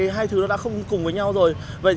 hai thứ nó đã không cùng với nhau rồi